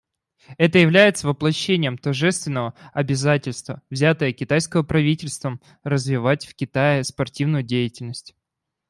Это является воплощением тожественного обязательства, взятого китайским правительством, развивать в Китае спортивную деятельность.